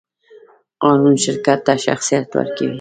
قانون شرکت ته شخصیت ورکوي.